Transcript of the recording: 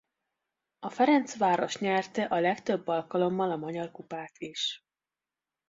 A Ferencváros nyerte a legtöbb alkalommal a Magyar Kupát is.